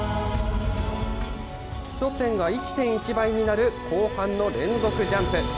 基礎点が１．１倍になる後半の連続ジャンプ。